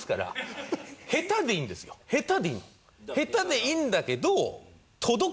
下手でいいんだけど。